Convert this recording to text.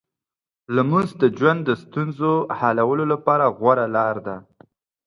لمونځ د ژوند د ستونزو حلولو لپاره غوره لار ده.